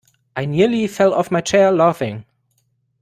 I nearly fell off my chair laughing